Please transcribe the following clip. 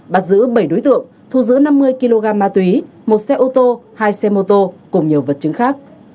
bắt giữ bảy đối tượng thu giữ năm mươi kg ma túy một xe ô tô hai xe mô tô cùng nhiều vật chứng khác